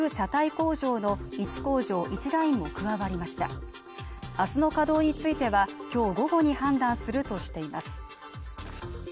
工場の１工場１ラインも加わりました明日の稼働についてはきょう午後に判断するとしています